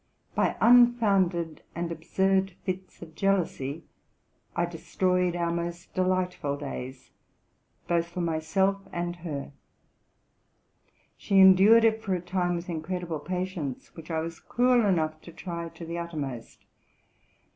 By unfounded and absurd fits of jealousy, I destroyed our most delightful days, both for myself and her. She endured it for a time with incredible patience, which I was cruel enough to try to the uttermost.